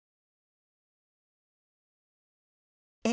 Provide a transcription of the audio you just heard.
え？